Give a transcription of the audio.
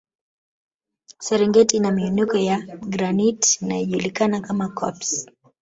Serengeti ina miinuko ya granite inayojulikana kama koppes